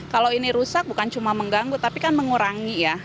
kalau ini rusak bukan cuma mengganggu tapi kan mengurangi ya